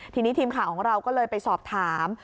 ทีนี้ทีมข่าวของเราก็เลยไปสอบถาม